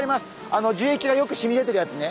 あの樹液がよくしみ出てるやつね。